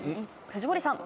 藤森さん。